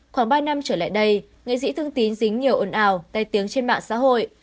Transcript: khoảng ba năm trở lại đây nghệ sĩ thương tín dính nhiều ồn ào tai tiếng trên mạng xã hội